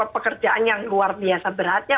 pekerjaan yang luar biasa beratnya